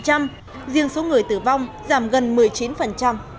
riêng số người tử vong giảm gần một mươi chín